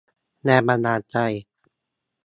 แรงบันดาลใจ